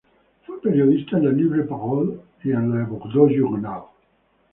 Fue periodista a La libre parole y al Bordeaux journal.